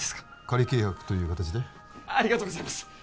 仮契約という形でありがとうございます！